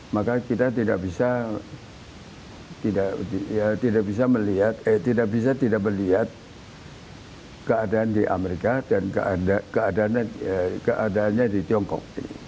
maka kita tidak bisa tidak melihat keadaan di amerika dan keadaannya di tiongkok